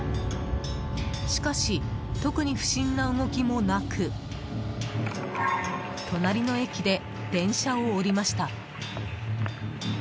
しかし、特に不審な動きもなく隣の駅で電車を降りました。